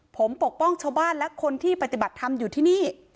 ผมปกป้องชาวบ้านและคนที่ปฏิบัติธรรมอยู่ที่นี่